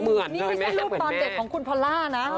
นี่คือเส้นรูปตอนเด็กของคุณพลานะ